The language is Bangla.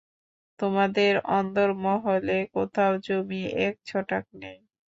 তোমাদের অন্দরমহলে কোথাও জমি এক ছটাক নেই।